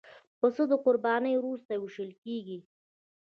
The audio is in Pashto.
پسه د قربانۍ وروسته وېشل کېږي.